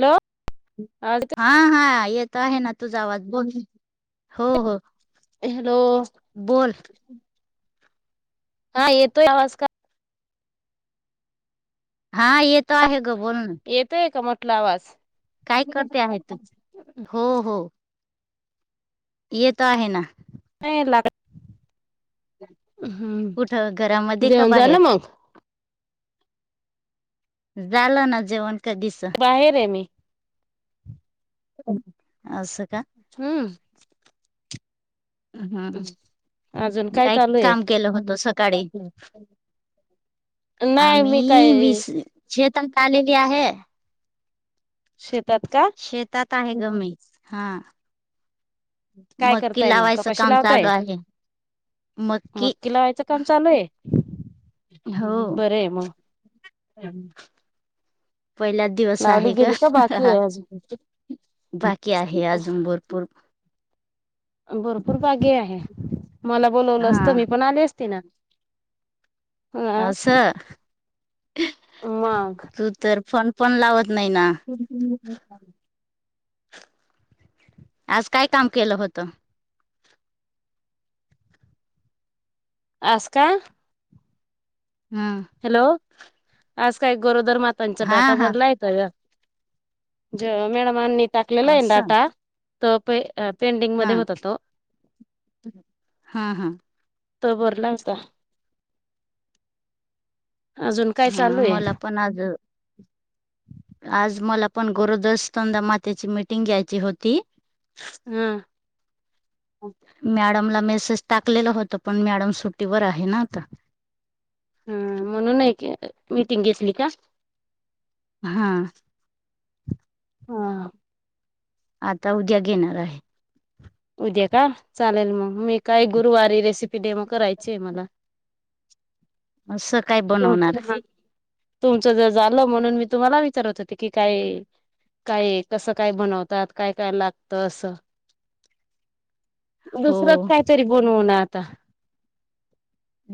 Hello आवाज हा, हा येत आहे ना तुझा आवाज बोल हो, हो. हॅलो! बोल. हा येतोय आवाज का. हा येत आहे. ग बोल ना येतोय का म्हणटल आवाज. काय नाही करते आहे तू. हो हो. येत आहे ना. नाही लागत. कुठं हम्म घरामध्ये का जेवन झालं बाहेर मग. झालं ना जेवण. कधीच बाहेर आहे मी. असं का. हम्म. हम्म अजून काय काही चालू आहे काम केलं होतं स नाही मी आम्ही काय बीस शेतम आलेली आहे. शेतात का. शेतात आहे गमी ह मीच हा. काय मक्की करताय मग का लावायचं कशी काम चालू लावताय. आहे मक्की नक्की लावायचं काम चालू आहे. बर आहे मग, पहिलाच दिवस लावली आहे का गेली ह ह बाकी हा. आहे अजून बाकी आहे आजम भरपूर, भरपूर बाकी आहे, मला बोलवलं हा असत मी पण आले ते ना. ह अस मग तू तर फोन पण लावत नाही ना हम् ह [unintelligible] आज काय काम केलं होत. आज का. हम. हॅलो आज काही गोरोदर मातांचा डाटा भरलाय तो यक, जे मॅडमानी टाकलेला आहेन असं डाटा तो अ पेंडिंग मध्ये हां होत तो हां हां तो भरला आसता. हा मला पण आज, आज मला पण गोरदसतंदा मातेची मिटिंग घ्यायची होती. हा. मॅडमला मेसेज टाकलेलं होतं पण मॅडम सुट्टीवर आहे ना आता. [inaudible] हम म्हणून नाही के अ मीटिंग घेतली का. हा. हा. आता उद्या घेणार आहे. उद्या का चालेल मग मी काय गुरुवारी रेसिपी डेमो करायचे मला. असं, काय बनवणार. तुमचं तुमचं जर झालं म्हणून मी तुम्हाला विचारत होते की काय काय कसं काय बनवतात काय काय लागत असं. [inaudible] दुसरंच काहीतरी बनवू ना आता.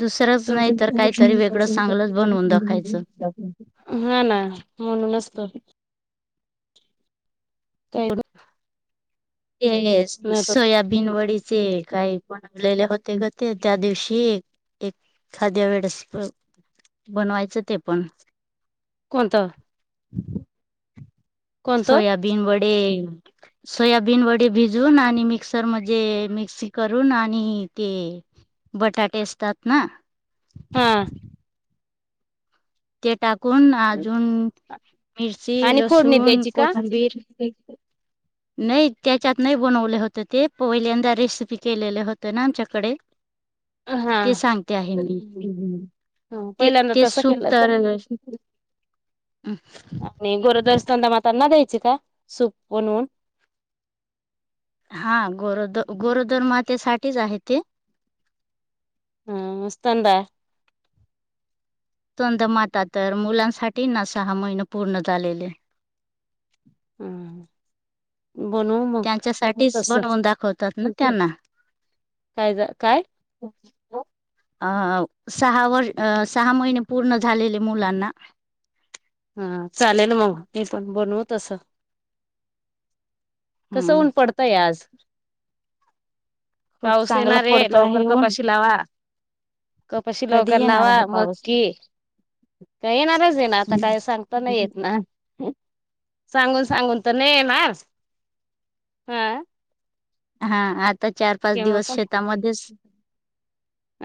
दुसरंच नाही तर काहीतरी वे हा ना म्हणूनच. [inaudible] ते नाही तर सोयाबीन वडीचे काय बनवलेले होते ग ते त्या दिवशी एक खाद्या वेळेस बनवायचं ते पण कोणतं कोणतं सोयाबीन बडे सोयाबीन बिन वडे भिजून आणि मिक्सर म मिक्सी करून आणि ते बटाटे असतातमा हा तेेटाकुून आजुून मिर्ची आणि फोडणी लसुन द्यायची का कोथंबीर [unintelligible] नाही त्याच्यात नाही बनवले होत ते पहिल्यांदा रेसिपी केलेले होत ना आमच्याकडे हा ते सांगते आहे मी हम्म ह ते पहिल्यांदा ते तसं सुप केलं तर र आणि गरोडर स्तनदामातांना द्यायचे का सूप बनवून हा गरोदर गरोदर मातेसाठीच आहे ते. हम मस्तंदा स्तन दा तर मुलांसाठी ना सहा महिने पूर्ण झालेले. हम्म. बनवू मग त्यांच्या साच तस बनवून दाखवतात ना त्यांना काय काय? अं सहा वर्ष सहा महिने पूर्ण झालेले मुलांना हा चालेल मग मी पण बनवू तस. कसं हम्म ऊन पडतंय आज खूप पाऊस चांगला येणारे पडतो लवकर आहे ऊन कपाशी लावा. कपाशी कधी लवकर येणार लावा आहे पाऊस मगकी का येणारच येणार. आता काय सांगता नाही येत ना. सांगून सांगून तर नाही मा हा. हा आ. आता चार पाच केव्हा दिवस पण शेतामध्येच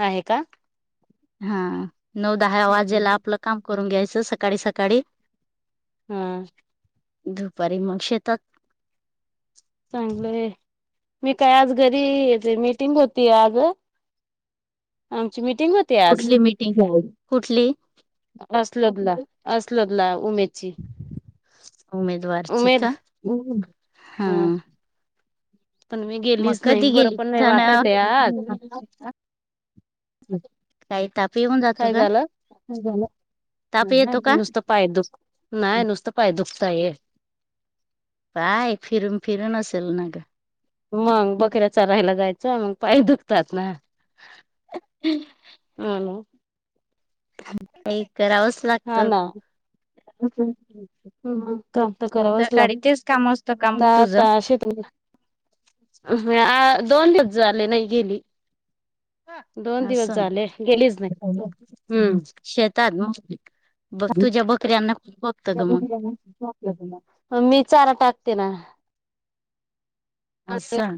आहे का? हा नऊ दहा वाजेला आपलं काम करून घ्यायचं सकाळी सकाळी हम्म. दधुपारी म्हग शेतात. चांगलंय मी काय आज घरी मिीटिंग होती आज आमची मिटिंग होती कुठली मिटिंग आहे कुठली? असलो ला असलोत ला उमेदची उमेद ची उमेद का हा. ह पण मी मग गेलीच नाही कधी बरं गेली पण की नाही झाण. वाटत आहे आज काही ताप येऊन जातो काय झालं काला नुसतं पाय दुख नाही नुसतं पाय दुखताय आहे. बाय फिरून फिरून असेल न ग. मग बकरा्याच राहायला जायचं मग पाय दुखतात ना. ह ना. एक करावंच लागतं. ह हम् ह काम तर करावंच सकाळी तेच काम असतं काम लागता तुझं अे तु दोन दिवस झाले नाही गेली. दोन अस दिवस झाले गेलीच नाही हम्म शेतात म बघ तू ज बकरीना मी चारा टाकते ना. असं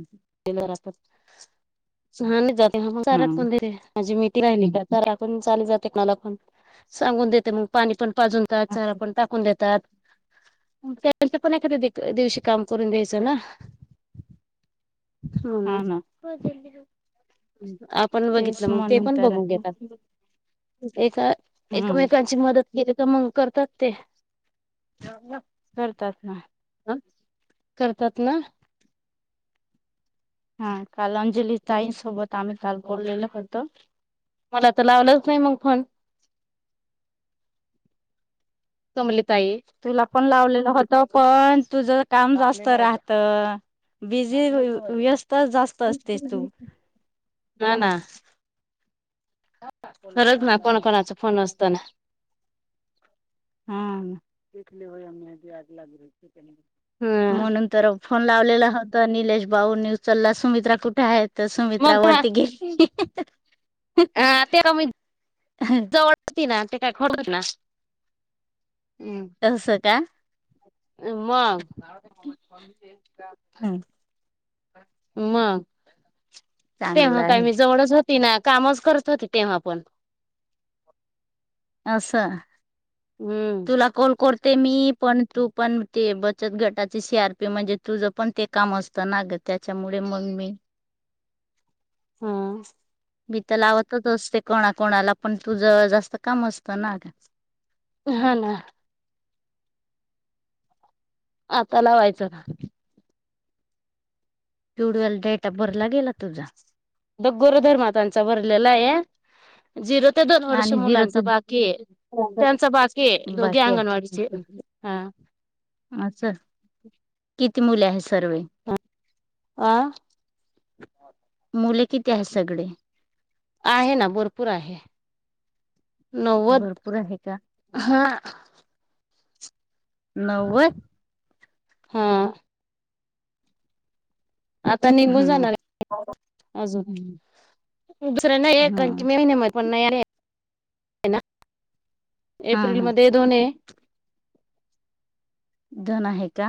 सुहा ज हा चारठ पर आहे. ण चा जाते सांगून देतगण. पाजूनात चार आपण टाकून देतात. त्यांचं पण एखाद्या दिवशी काम करून द्यायचं ना. म्हणून हा ना. आपण तेच बघितलं मग ते म्हणून पण तर बघून आहे. घेतात. एका हम्म एकमेकांची मदत केली तर मग करतात ते. करतात ना. करतात ना. हा काल अंजली तई सोबतमही काल बोललेला होतो मला तर लावलंच नाही मग फण तमली ताईी. तुला पण लावलेलं होत पण तुझ काम जास्त राहत बिजी व्यस्त जास्त असते तू ना ना. हरद म कोण कोणाच फोन रसतना हा [inaudible] ह म्हणून तर. फोन लावलेला होता निलेश बाऊ न्यूज लला सुमित्रा कुठे आहेत. तर सुमित्रावररती गेली अ तेला मी जवळ होती ना ते काय खर होत ना. तस का. मग. हम्म, मग, चांगलं तेव्हा काय आहे मी जवळच होत. ति ना कामच करत होती तेव्हा आपण. कस तुला कल कर. ते मी पण तू पण ते बचत गटाचे सी आर पी म्हणजे तुझं पण ते काम असतं नाग त्याच्यामुळे मग ममी. हम्. मी तर लावतच असते कोणाकणाला पण तुझ जास्त काम असतं ना अ. हा ना आता लावायच ना. ट्युडवेल डेटा बर ला गेल तुझा. दग्गोर धर्मात त्यांचा भरलेला आहे झिरो ते दोन वर्ष आणि झिरो मुलांच ते बाकी. त्यांचा बाकीकीे दोघे बाकी आहे अंगणवाडीचे हा. [unintelligible] मु आहे सर् अ मु. किती आहे सगळे आहे ना भरपूर आहे. नव्वद भरपूर आहे का हा. नव्वद. हा आता निघून हम्म जाणार आहे अजून. दुसऱ्यां ना हा एांची मेहन म पण नाहीरे ना. हा एप्रिल हा मध्ये दोन. दन आहे. का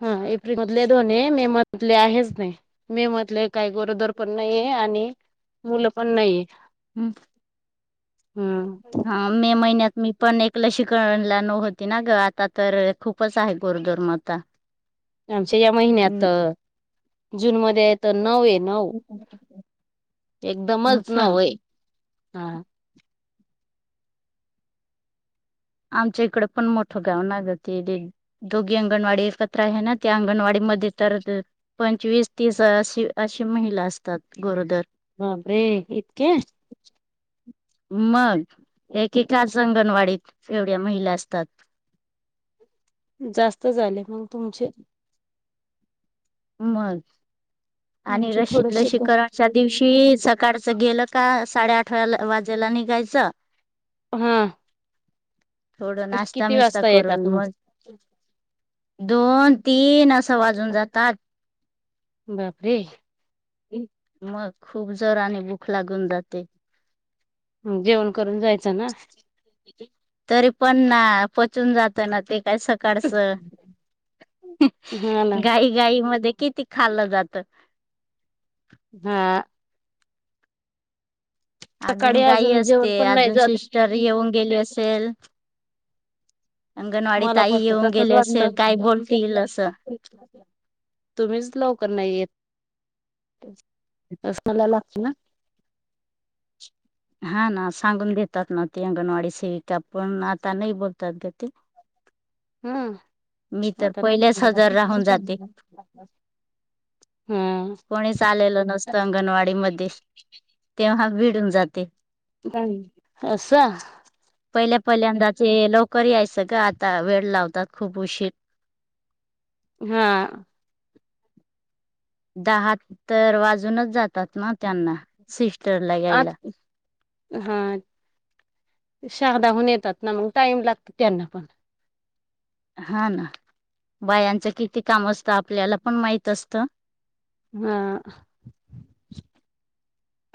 हा एप्रिल मधल्या. दोन मे म्हधले आहेच नाही मे म्हटले काही गरोदर पण नाही आहे आणि. मुलं पण नाहीये हम् हम्म [inaudible] हा मे महिन्यात. मी पण एक ल शिकणला न होती ना ग आता तर खूपच आहे गोरदोर मता. आमच्या या महिन्यात जूनमध्ये आहे तर नऊ आहे नऊ. एकदमच असं नऊ हाय. आमच्या इकड पण मोठं गाव नागते दोघी अंगणवाडी एकत्र आहे ना त्या अंगणवाडीत मध्ये तर पंचवीस तीस अ अशी महिला असतात गोरोदर. बापरे इतके. मग एकेकाच अंगणवाडीत. एवढ्या महिला असतात. जास्त झाले मग तुमचे. मग आणि आमचे लशी थोडसे ग लसीकरणच्या दिवशी सकाळ. गेलं का साडे आठ्यावाजेला निघायचं. हम. थोड नाश्ता मिस्ता करून मग दोन तीनं- तीन असं वाजून जातात. बापरे! मग खूप जोराने भूक लागून जाते. ह जेवण करून जायचं ना. तरी पण ना पचून जात ना ते काय सकाळचं. हा ना घाई घाई मध्ये किती खाल्लं जात. हा. सकाळी अजून घाई असते. जेवण पण नाही अजून जात सिस्टर येऊन गेले असेल. अंगणवाडी मला ताई पण येऊन तसच गेले असेल काय वाटत. बोलतील असं तुम्हीच लवकर नाही येत. अस मला लागते ना. हा ना सांगून देतात ना. अंगणवाडी सेविका पण आता नाही बोलतात ग ते. [inaudible] हम्. मी तर आता नाही पहिलेच हजर राहून जाते सांग.. हम्म कोणीच आलेल नसतं अंगणवाडी मध्ये तेव्हा भिडून जाते. अस. पहिल्या पहिल्यांदा ते लवकर यायचं ग आता वेळ लावतात खूप उशीर. हा. दहा तर वाजूनच जातात ना त्यांना सि- आ हा. शहाधाहून येतात ना, मग टाइम लागतो त्यांना पण. हा ना. बायांचं किती काम असतं. आपल्याला पण माहित असत. हा.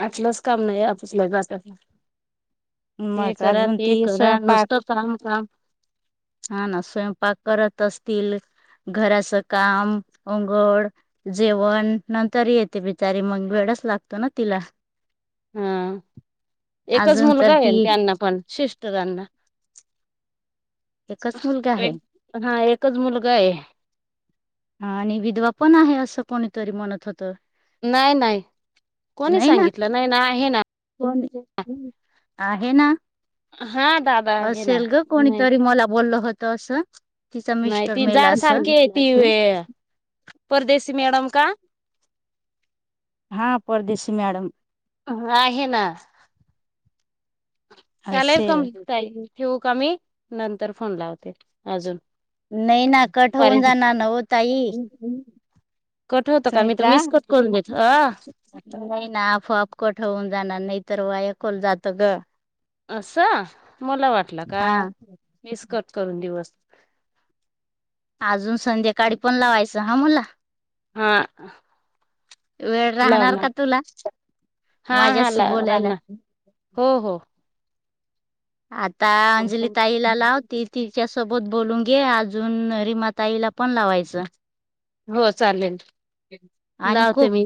आलंच काम नाही आपसला. ते मग करा अजून ते ती करा स्वयंपाक नुसतं काम काम. तिल. घराच काम अंघोळ जेवण नंतर येते बिचारी मंग वेळ. लागतो ना तिला. हा एकच अजून तर मुलगा ती आहेन त्यांना पण शिस्टरांना. एकच मुलगा आहे हा एकच मुलगा आहे. हा आणि विधवा पण आहे. असं कोणीतरी म्हणत होतं. नाही नाही कोणी ना सांगितलं नाही ना आहे ना. कोण आहे ना. हा दादा आहे ना असेल ग कोणीतरी मला बोललं होतं असं. तिचा मिस्टर नाहीती मेला जाड असं सारखी आहे ती वे. परदेशी मॅडम का? हा परदेशी मॅडम. आहे ना त्यालाही असेल समजायला ठेवऊ का ममी नंतर फोन लावते अजून नाही ना कट अरे होऊन जाणार नव तई कट होतं का मी तर सुमित्रा मिस कट करून देत अ नाही ना आपोआफ कठऊन जाणार नाही तर व ऐकल जात ग असं मला वाटलं का हा मिस करत करून देऊस अजून संध्याकाळी पण लावायचं हा मला हा वेळ राहणार लावणार का तुला हा हा माझ्याशी बोलायला राना हो हो आता अंजली ताईला लावती ती च्या सोबत बोलून घे अजून रिमाताईला पण लावायचं हो चालेल आणि लावते कोक मी